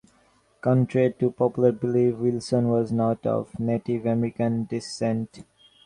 Contrary to popular belief, Wilson was not of Native American descent.